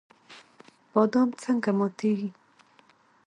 بادام څنګه ماتیږي؟